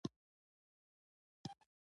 د جاسوسي شبکو د فعالیتونو په باب.